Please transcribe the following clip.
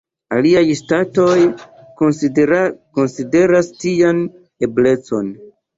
Aliaj ŝtatoj konsideras tian eblecon.